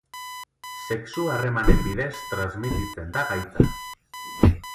Sexu harremanen bidez transmititzen da gaitza.